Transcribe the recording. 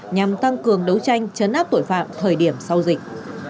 nhằm tăng cường đấu tranh chấn áp tội phạm thời điểm sau dịch